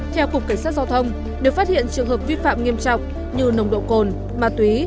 theo cục cảnh sát giao thông nếu phát hiện trường hợp vi phạm nghiêm trọng như nồng độ cồn ma túy